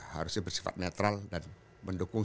harusnya bersifat netral dan mendukung